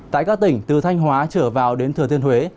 tại các tỉnh từ thanh hóa trở vào đến thừa thiên huế